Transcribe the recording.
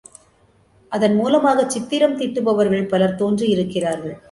அதன் மூலமாகச் சித்திரம் தீட்டுபவர்கள் பலர் தோன்றியிருக்கிறார்கள்.